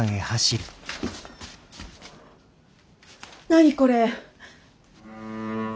何これ？